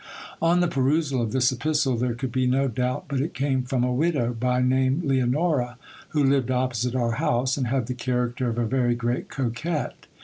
On the perusal of this epistle, there could be no doubt but it came from a widow, by name Leonora, who lived opposite our house, and had the character of a very great coquette.